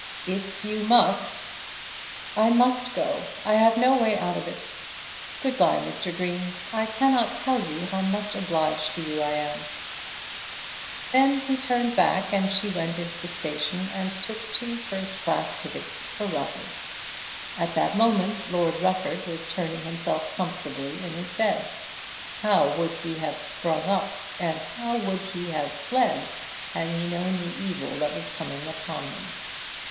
"If you must " "I must go. I have no way out of it. Good bye, Mr. Green; I cannot tell you how much obliged to you I am." Then he turned back and she went into the station and took two first class tickets for Rufford. At that moment Lord Rufford was turning himself comfortably in his bed. How would he have sprung up, and how would he have fled, had he known the evil that was coming upon him!